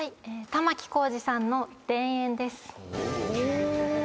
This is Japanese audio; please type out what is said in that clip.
玉置浩二さんの『田園』です。